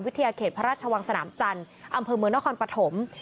เขตพระราชวังสนามจันทร์อำเภอเมืองนครปฐม